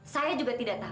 saya juga tidak tau